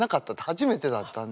初めてだったんで。